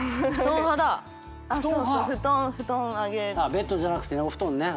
ベッドじゃなくてお布団ね。